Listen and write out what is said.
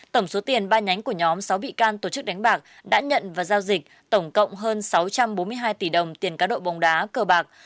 tổng số tiền ba nhánh của nhóm sáu bị can tổ chức đánh bạc đã nhận và giao dịch tổng cộng hơn sáu trăm bốn mươi hai tỷ đồng tiền cá độ bóng đá cờ bạc